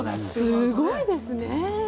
すごいですね。